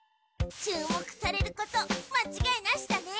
注目されることまちがいなしだね。